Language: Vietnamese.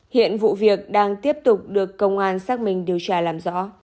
hiện vụ việc đang tiếp tục được công an xác minh điều tra làm rõ